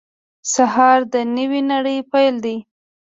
سهار د نوې نړۍ پیل دی.